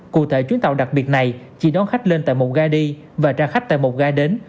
cụ thể chuyến tàu đặc biệt này chỉ đón khách lên tại một ga đi và ra khách tại một ga đến